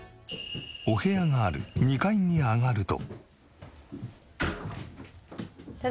お部屋がある２階に上がると。